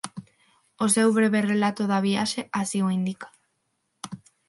O seu breve relato da viaxe así o indica.